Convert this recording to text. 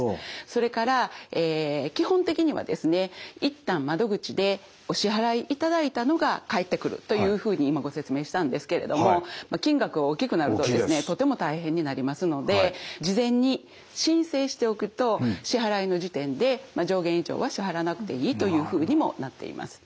それから基本的にはですね一旦窓口でお支払いいただいたのが返ってくるというふうに今ご説明したんですけれども金額が大きくなるとですねとても大変になりますので事前に申請しておくと支払いの時点で上限以上は支払わなくていいというふうにもなっています。